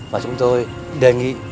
và chúng tôi đề nghị